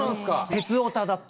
鉄オタだった。